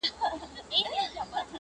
د تاریخي کرنې موسمونه ناڅاپه تغیر کوي.